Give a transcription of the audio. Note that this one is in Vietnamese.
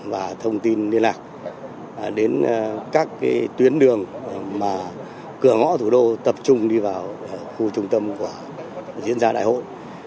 và thông tin liên lạc đến các tuyến đường mà cửa ngõ thủ đô tập trung đi vào khu trung tâm của diễn ra đại hội